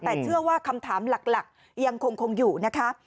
แต่เชื่อว่าคำถามหลักยังคงอยู่นะคะ